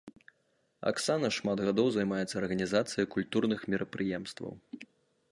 Аксана шмат гадоў займаецца арганізацыяй культурных мерапрыемстваў.